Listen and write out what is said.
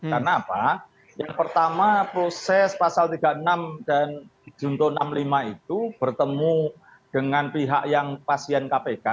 karena apa yang pertama proses pasal tiga puluh enam dan junto enam puluh lima itu bertemu dengan pihak yang pasien kpk